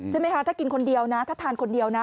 ใช่ไหมคะถ้ากินคนเดียวนะถ้าทานคนเดียวนะ